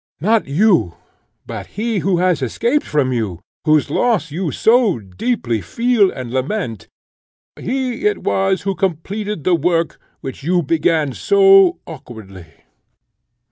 Not you, but he, who has escaped from you, whose loss you so deeply feel and lament; he it was who completed the work, which you began so awkwardly."